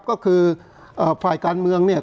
ก็คือฝ่ายการเมืองเนี่ย